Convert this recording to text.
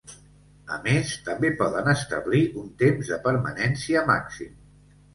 A més, també poden establir un temps de permanència màxim.